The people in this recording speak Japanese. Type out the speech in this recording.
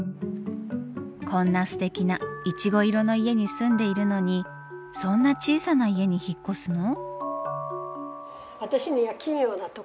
こんなすてきないちご色の家に住んでいるのにそんな小さな家に引っ越すの？